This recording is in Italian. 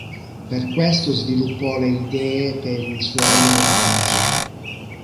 Per questo sviluppò le idee per i suoi romanzi.